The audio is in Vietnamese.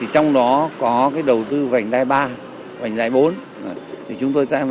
trong đó có đầu tư bành đai ba bành đai bốn